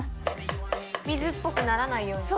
水っぽくならないように？